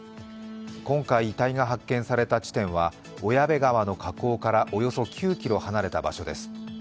今回、遺体が発見された地点は小矢部川の河口からおよそ９ｋｍ離れた場所です。